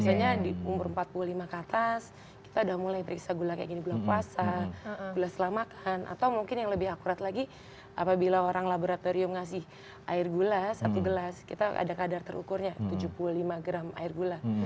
biasanya di umur empat puluh lima ke atas kita udah mulai periksa gula kayak gini gula puasa gula setelah makan atau mungkin yang lebih akurat lagi apabila orang laboratorium ngasih air gula satu gelas kita ada kadar terukurnya tujuh puluh lima gram air gula